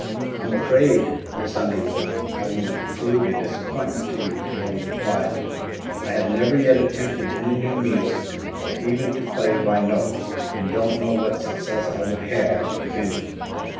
"I'm afraid, Miss Underwood, I will prove a disappointment to you," Darrell replied; "I have never yet attempted any new music, or even to play by note, and don't know what success I would have, if any.